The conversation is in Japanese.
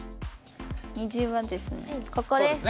虹はですね